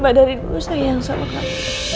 mbak dari dulu sayang sama kamu